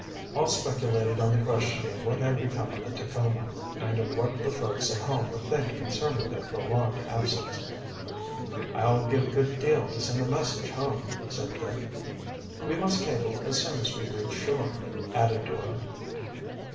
All speculated on the question of what had become of the Tacoma, and of what the folks at home would think concerning their prolonged absence. "I'd give a good deal to send a message home," said Dick. "We must cable as soon as we reach shore," added Dora.